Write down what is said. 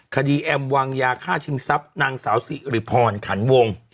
แอมวางยาฆ่าชิงทรัพย์นางสาวสิริพรขันวง